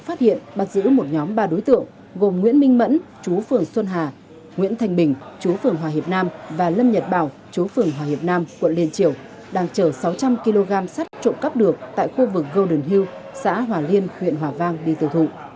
phạm thanh lộc hai mươi tám tuổi chú huyện nghi lộc tỉnh quảng nam quận liên triều đang chở sáu trăm linh kg sắt trộn cắp được tại khu vực golden hill xã hòa liên huyện hòa vang đi tự thụ